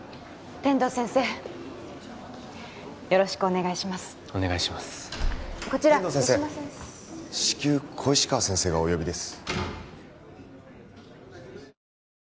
天堂先生至急小石川先生がお呼びです